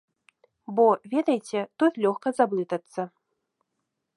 Бо, ведаеце, тут лёгка заблытацца.